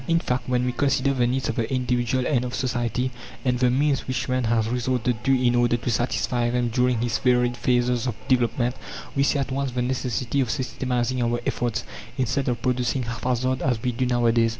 In fact, when we consider the needs of the individual and of society, and the means which man has resorted to in order to satisfy them during his varied phases of development, we see at once the necessity of systematizing our efforts, instead of producing haphazard as we do nowadays.